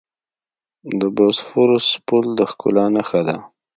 د بوسفورس پل د ښکلا نښه ده.